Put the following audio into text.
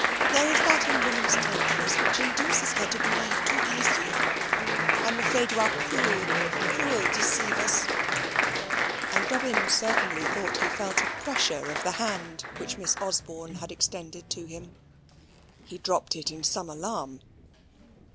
"There is that in woman's tenderness which induces her to believe too easily. I'm afraid you are cruel, cruel deceivers," and Dobbin certainly thought he felt a pressure of the hand which Miss Osborne had extended to him. He dropped it in some alarm.